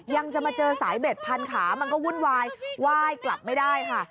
ยังจะมาเจอสายเบ็ดพันขามันก็วุ่นวายไหว้กลับไม่ได้ค่ะ